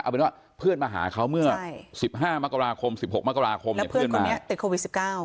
เอาเป็นว่าเพื่อนมาหาเขาเมื่อ๑๕มกราคม๑๖มกราคมเพื่อนมา